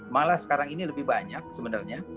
malah sekarang ini lebih banyak sebenarnya